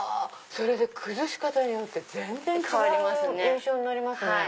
崩し方によって全然違う印象になりますね。